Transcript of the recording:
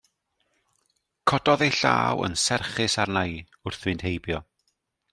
Cododd ei llaw yn serchus arna i wrth fynd heibio.